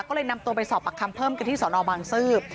ก็เลยนำตัวไปสอบปากคำเพิ่มกันที่สนบางซืบ